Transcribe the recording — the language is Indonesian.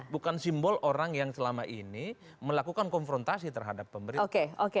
bukan simbol orang yang selama ini melakukan konfrontasi terhadap pemerintah